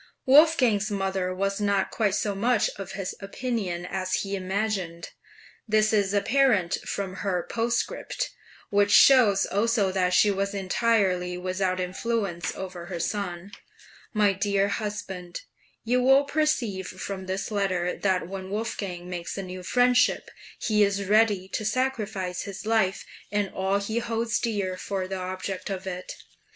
Wolfgang's mother was not quite so much of his opinion as he imagined; this is apparent from her postscript, which shows also that she was entirely without influence over her son: {PATERNAL WARNINGS.} (425) My dear Husband, You will perceive from this letter that when Wolfgang makes a new friendship he is ready to sacrifice his life and all he holds dear for the object of it.